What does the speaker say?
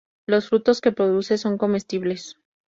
Los frutos que produce son comestibles.